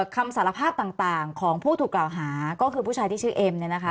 คำสารภาพต่างของผู้ถูกเก่าหาก็คือผู้ชายที่ชื่อเอ็ม